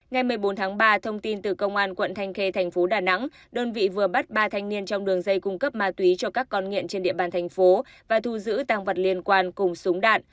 ngày một mươi bốn tháng ba thông tin từ công an quận thanh khê thành phố đà nẵng đơn vị vừa bắt ba thanh niên trong đường dây cung cấp ma túy cho các con nghiện trên địa bàn thành phố và thu giữ tăng vật liên quan cùng súng đạn